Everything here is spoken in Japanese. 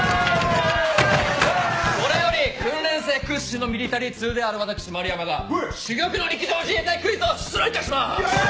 これより訓練生屈指のミリタリー通である私丸山が珠玉の陸上自衛隊クイズを出題いたします！